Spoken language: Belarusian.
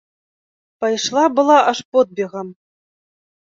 Пайшла была аж подбегам.